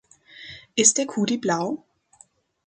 Ist der Kuli blau?